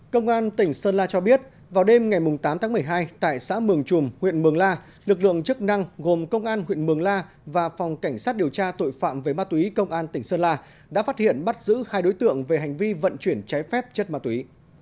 công an tỉnh sơn la cho biết vào đêm ngày tám tháng một mươi hai tại xã mường chùm huyện mường la lực lượng chức năng gồm công an huyện mường la và phòng cảnh sát điều tra tội phạm về ma túy công an tỉnh sơn la đã phát hiện bắt giữ hai đối tượng về hành vi vận chuyển trái phép chất ma túy